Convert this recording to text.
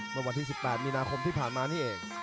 เมื่อวันที่๑๘มีนาคมที่ผ่านมานี่เอง